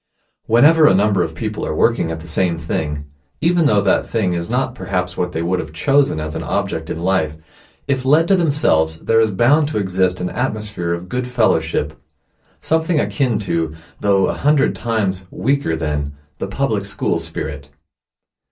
Whenever a number of people are working at the same thing, even though that thing is not perhaps what they would have chosen as an object in life, if left to themselves, there is bound to exist an atmosphere of good fellowship; something akin to, though a hundred times weaker than, the public school spirit.